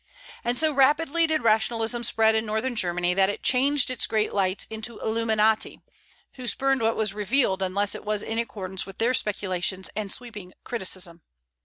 And so rapidly did rationalism spread in Northern Germany, that it changed its great lights into illuminati, who spurned what was revealed unless it was in accordance with their speculations and sweeping criticism.